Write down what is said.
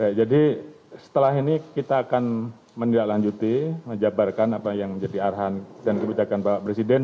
ya jadi setelah ini kita akan menindaklanjuti menjabarkan apa yang menjadi arahan dan kebijakan bapak presiden